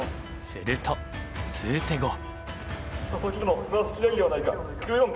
すると数手後。